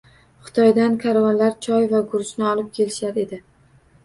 Xitoydan karvonlar choy va guruchni olib kelishar edi.